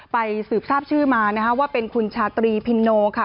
สืบทราบชื่อมานะคะว่าเป็นคุณชาตรีพินโนค่ะ